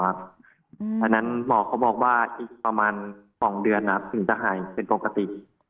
อันนั้นหมอก็บอกว่าอีกประมาณ๒เดือนถึงจะหายเป็นปกติ